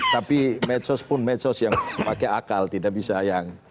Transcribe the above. tapi medsos pun medsos yang pakai akal tidak bisa yang